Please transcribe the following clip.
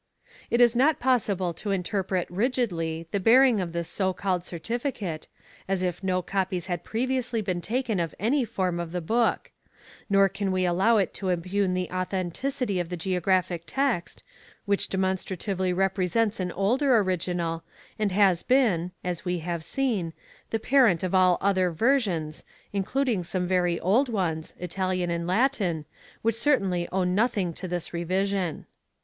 It is not possible to interpret rigidly the bearing of this so called certificate, as if no copies had previously been taken of any form of the Book ; nor can we allow it to impugn the authenticity of the Geographic Text, which demonstratively represents an older original, and has been (as we have seen) the parent of all other versions, including some very old ones, Italian and Latin, which certainly owe nothing to this revision.